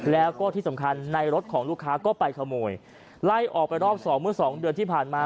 แล้วก็ที่สำคัญในรถของลูกค้าก็ไปขโมยไล่ออกไปรอบสองเมื่อสองเดือนที่ผ่านมา